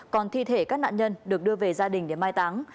còn thi thể các nạn nhân được đưa về gia đình để mai táng